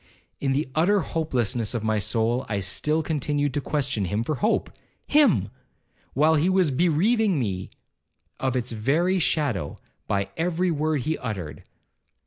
In the utter hopelessness of my soul, I still continued to question him for hope—him! while he was bereaving me of its very shadow, by every word he uttered.